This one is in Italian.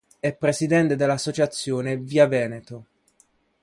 È presidente dell'Associazione via Veneto.